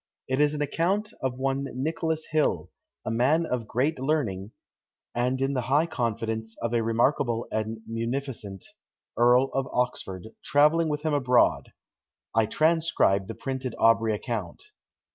It is an account of one Nicholas Hill, a man of great learning, and in the high confidence of a remarkable and munificent Earl of Oxford, travelling with him abroad. I transcribe the printed Aubrey account.